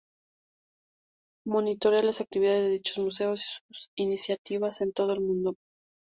Monitorea las actividades de dichos museos y sus iniciativas en todo el mundo.